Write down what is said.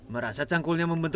merasa cangkulnya membencimu